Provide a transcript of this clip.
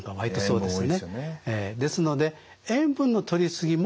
ですので塩分のとり過ぎも